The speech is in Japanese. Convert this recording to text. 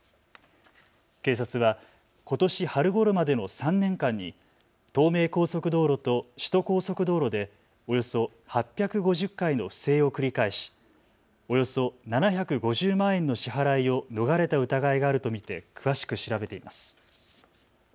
警察はことし春ごろまでの３年間に東名高速道路と首都高速道路でおよそ８５０回の不正を繰り返しおよそ７５０万円の支払いを逃れた疑いがあると見て詳しく調べています。